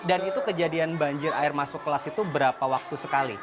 dan itu kejadian banjir air masuk kelas itu berapa waktu sekali